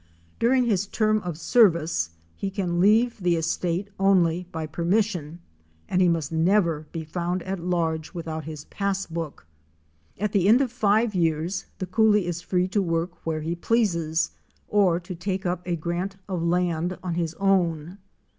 During his term of service he can leave the estate only by permission, and he must never be found at large without his pass book. At the end of five years the coolie is free to work where he pleases, or to take up a grant of land of his own.